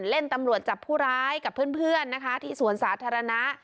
เล่นตำรวจจับผู้ร้ายกับเพื่อนนะคะที่สวนสาธารณะ